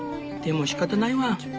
でもしかたないワン。